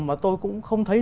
mà tôi cũng không thấy